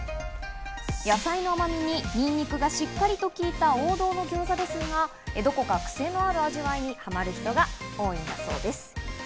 野菜の甘みにニンニクがしっかりと効いた王道の餃子ですが、どこかくせのある味わいにハマる人が多いんだそうです。